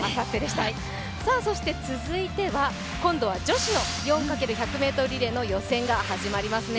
そして続いては、今度は女子の４×１００ｍリレーの予選が始まりますね。